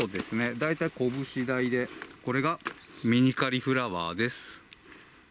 大体拳大で、これがミニカリフラワーです。